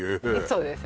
そうです